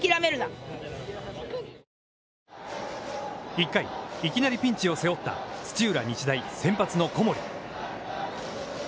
１回、いきなりピンチを背負った土浦日大、先発の小森。